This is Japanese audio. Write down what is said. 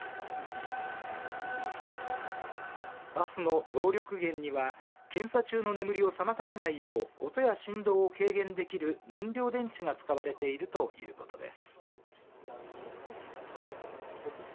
バスの動力源には検査中の眠りを妨げないよう音や振動を軽減できる燃料電池が使われているということです。